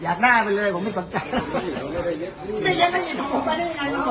อยากน่าไปเลยผมไม่สนใจ